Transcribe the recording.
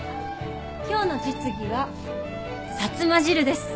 今日の実技はさつま汁です。